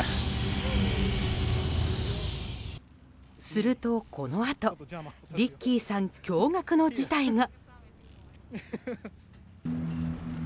すると、このあとリッキーさん、驚愕の事態が。